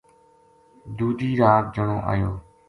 دوجی رات جنو ایو